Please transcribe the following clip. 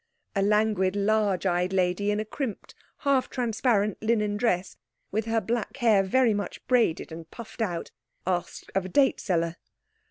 a languid, large eyed lady in a crimped, half transparent linen dress, with her black hair very much braided and puffed out, asked of a date seller.